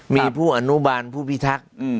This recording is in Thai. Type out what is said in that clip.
มีผู้อนุบาลผู้พิทักษ์